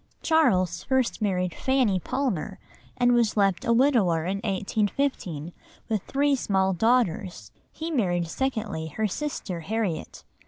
Charles married first Fanny Palmer, and was left a widower in 1815 with three small daughters. He married secondly her sister Harriet.